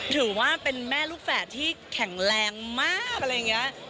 ถือว่าเป็นแม่ลูกแฝดที่แข็งแรงมากอะไรอย่างนี้